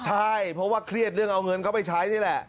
ใช่เพราะว่าเครียดเรื่องเอาเงินเขาไปใช้นี่แหละ